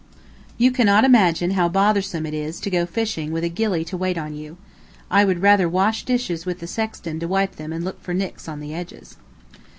You cannot imagine how bothersome it is to go fishing with a gilly to wait on you. I would rather wash dishes with a sexton to wipe them and look for nicks on the edges.